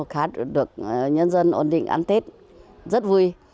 khác được nhân dân ổn định ăn tết rất vui